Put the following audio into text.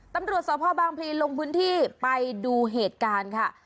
ตำรวจสพบางพลีลงพื้นที่ไปดูเหตุการณ์ค่ะ